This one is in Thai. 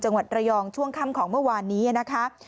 จังหวัดระยองช่วงค่ำของเมื่อวานนี้นะคะ